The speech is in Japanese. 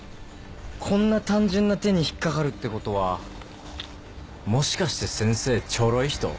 こんな単純な手に引っかかるってことはもしかして先生チョロい人？